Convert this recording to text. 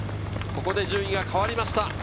ここで順位が変わりました。